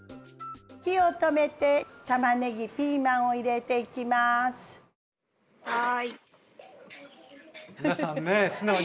火を止めてたまねぎピーマンを入れていきます。